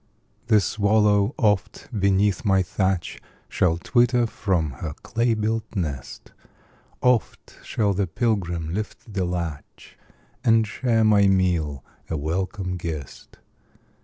The swallow, oft, beneath my thatch, Shall twitter from her clay built nest; Oft shall the pilgrim lift the latch, And share my meal, a welcome guest.